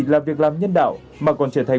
là việc làm nhân đạo mà còn trở thành